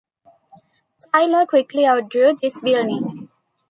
Taylor quickly outgrew this building.